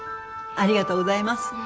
ありがとうございます。